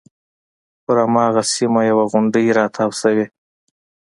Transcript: پر هماغه سیمه یوه غونډۍ راتاو شوې.